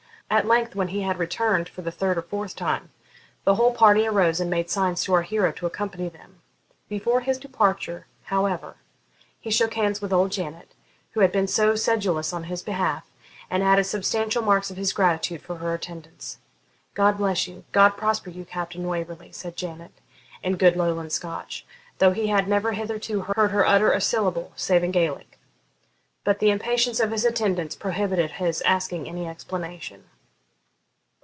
At length, when he had returned for the third or fourth time, the whole party arose and made signs to our hero to accompany them. Before his departure, however, he shook hands with old Janet, who had been so sedulous in his behalf, and added substantial marks of his gratitude for her attendance. 'God bless you! God prosper you, Captain Waverley!' said Janet, in good Lowland Scotch, though he had never hithero heard her utter a syllable, save in Gaelic. But the impatience of his attendants prohibited his asking any explanation.